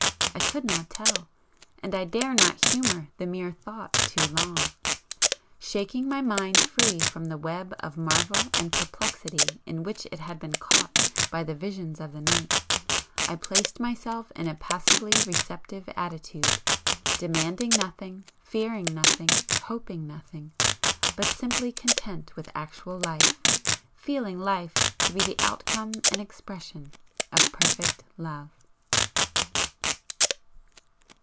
I could not tell and I dare not humour the mere thought too long. Shaking my mind free from the web of marvel and perplexity in which it had been caught by the visions of the night, I placed myself in a passively receptive attitude demanding nothing, fearing nothing, hoping nothing but simply content with actual Life, feeling Life to be the outcome and expression of perfect Love.